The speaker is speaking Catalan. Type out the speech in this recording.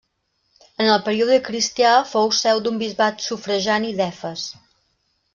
En el període cristià, fou seu d'un bisbat sufragani d'Efes.